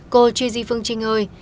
cô chi di phương trinh ơi